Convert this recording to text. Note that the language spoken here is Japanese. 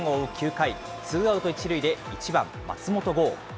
９回、ツーアウト１塁で、１番松本剛。